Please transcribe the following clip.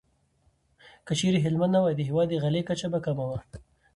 که چيرې هلمند نه وای، د هېواد د غلې کچه به کمه وه.